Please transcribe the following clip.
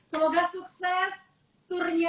semoga sukses turnya